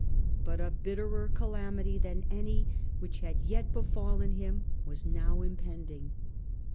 But a bitterer calamity than any which had yet be fallen him was now impending.